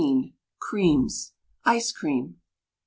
CREAMS. ICE CREAM.